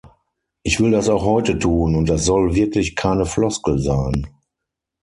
Ich will das auch heute tun, und das soll wirklich keine Floskel sein.